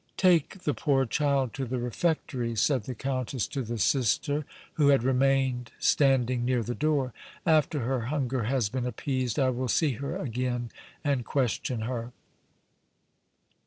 "Take the poor child to the refectory," said the Countess to the Sister, who had remained standing near the door. "After her hunger has been appeased, I will see her again and question her."